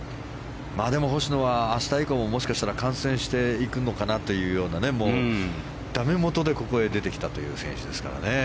星野は明日以降も、もしかしたら観戦していくのかなというようなだめ元でここへ出てきたという選手ですからね。